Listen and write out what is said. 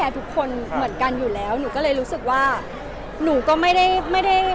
ทุกคนเหมือนกันอยู่แล้วหนูก็เลยรู้สึกว่าหนูก็ไม่ได้ไม่ได้